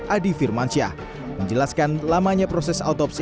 adi firmansyah menjelaskan lamanya proses autopsi